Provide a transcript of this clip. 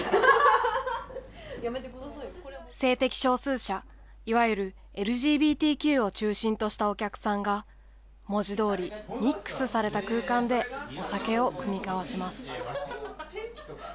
性的少数者、いわゆるＬＧＢＴＱを中心としたお客さんが、文字どおり、ミックスされた空間でお酒を酌み交わします。